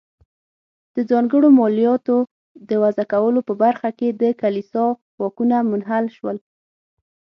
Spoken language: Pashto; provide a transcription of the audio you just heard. د ځانګړو مالیاتو د وضع کولو په برخه کې د کلیسا واکونه منحل شول.